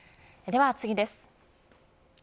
では次です。